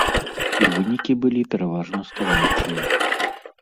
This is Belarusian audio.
І вынікі былі пераважна станоўчыя.